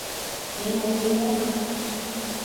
你冇嘢啊嘛？